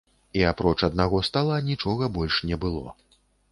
І апроч аднаго стала, нічога больш не было.